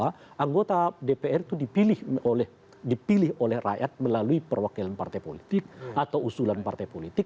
bahwa anggota dpr itu dipilih oleh rakyat melalui perwakilan partai politik atau usulan partai politik